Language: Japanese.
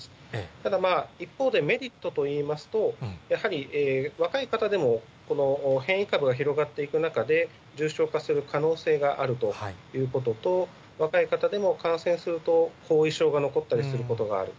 ただ、一方でメリットといいますと、やはり若い方でも、変異株が広がっていく中で、重症化する可能性があるということと、若い方でも感染すると後遺症が残ったりすることがある。